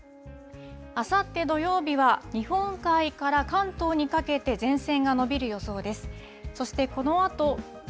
天気図を見ていくとあさって土曜日は日本海から関東にかけて前線が伸びる予想です。